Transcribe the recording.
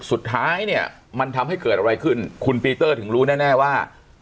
สุดท้ายเนี่ยมันทำให้เกิดอะไรขึ้นคุณปีเตอร์ถึงรู้แน่ว่า